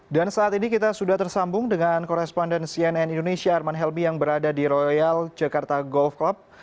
dan saat ini kita sudah tersambung dengan koresponden cnn indonesia arman helmi yang berada di royal jakarta golf club